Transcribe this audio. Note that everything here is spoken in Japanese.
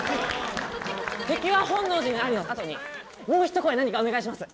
「敵は本能寺にあり」のあとにもう一声何かお願いします。